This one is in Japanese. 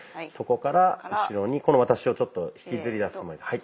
そこから後ろにこの私をちょっと引きずり出すつもりで。